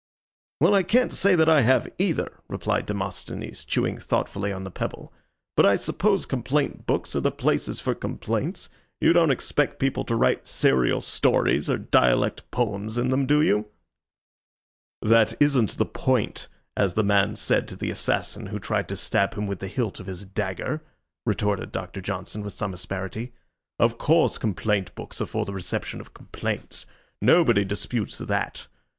"Well, I can't say that I have either," replied Demosthenes, chewing thoughtfully on the pebble, "but I suppose complaint books are the places for complaints. You don't expect people to write serial stories or dialect poems in them, do you?" "That isn't the point, as the man said to the assassin who tried to stab him with the hilt of his dagger," retorted Doctor Johnson, with some asperity. "Of course, complaint books are for the reception of complaints nobody disputes that.